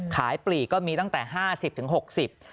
ขายปลีกก็มีตั้งแต่๕๐กิโลกรัมถึง๖๐กิโลกรัม